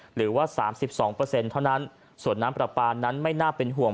หรือว่า๓๒เท่านั้นส่วนน้ำปลาปลานั้นไม่น่าเป็นห่วง